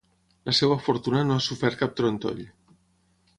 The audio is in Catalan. La seva fortuna no ha sofert cap trontoll.